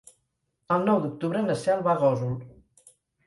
El nou d'octubre na Cel va a Gósol.